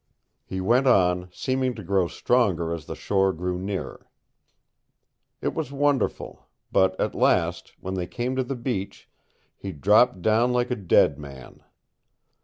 He went on, seeming to grow stronger as the shore drew nearer. It was wonderful; but at last, when they came to the beach, he dropped down like a dead man.